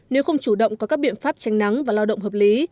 nếu không chủ động có các biện pháp tranh nắng và lao động hợp lý